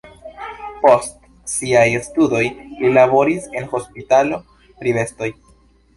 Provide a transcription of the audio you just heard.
Post siaj studoj li laboris en hospitalo pri bestoj.